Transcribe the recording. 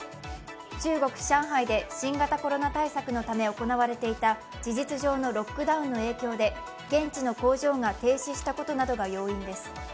中国・上海で新型コロナ対策のため行われていた事実上のロックダウンの影響で現地の工場が停止したことなどが要因です。